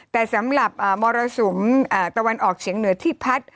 แต่สำหรับมรสุมตะวันออกเฉียงเหนือที่พัด